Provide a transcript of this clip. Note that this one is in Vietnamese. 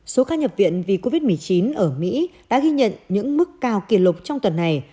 số ca nhập viện vì covid một mươi chín ở mỹ đã ghi nhận những mức cao kỷ lục trong tuần này